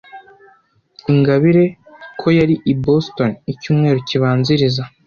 Ingabire ko yari i Boston icyumweru kibanziriza.